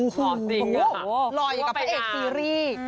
หล่อจริงอะค่ะหล่ออยู่กับพระเอกซีรีส์